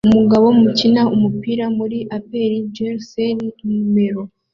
Umugabo mukina umupira muri APR jersey numero